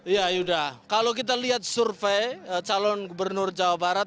ya yuda kalau kita lihat survei calon gubernur jawa barat